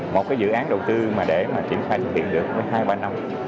một dự án đầu tư để triển khai trực tiện được với hai ba năm